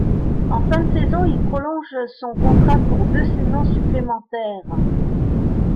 En fin de saison, il prolonge son contrat pour deux saisons supplémentaires.